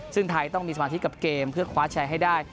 ซึ่งไทยต้องมีสมาธิกับเกมเพื่อคว้าแชร์ให้ได้